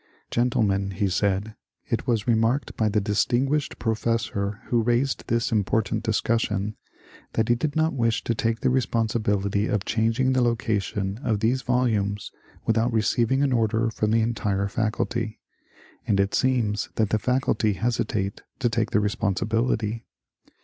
*^ Gen tlemen," he said, ^^ it was remarked by the distinguished pro fessor who raised this important discussion that he did not wish to take the responsibility of changing the location of these volumes without receiving an order from the entire Faculty, and it seems that the Faculty hesitate to take the responsibility.